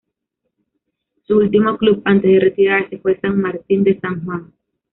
Su último club antes de retirarse fue San Martín de San Juan.